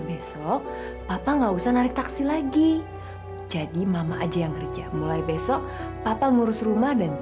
besok papa nggak usah narik taksi lagi jadi mama aja yang kerja mulai besok papa ngurus rumah dan